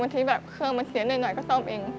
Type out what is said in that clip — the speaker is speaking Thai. ที่แบบเครื่องมันเสียหน่อยก็ซ่อมเอง